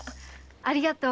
ありがとう。